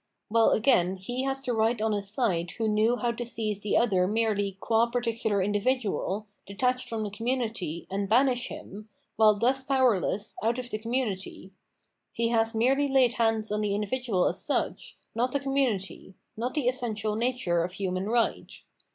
While again he has right on his side who knew how to seize the other merely qua particular individual, detached from the community, and banish him, while thus powerless, out of the community ; he has merely laid hands on the individual as such, not the community, not the essential nature of human right.